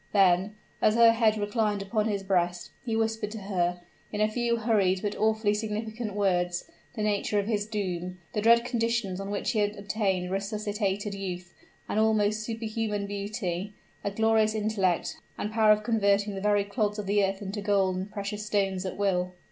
Then, as her head reclined upon his breast, he whispered to her, in a few hurried, but awfully significant words, the nature of his doom, the dread conditions on which he had obtained resuscitated youth, an almost superhuman beauty, a glorious intellect, and power of converting the very clods of the earth into gold and precious stones at will.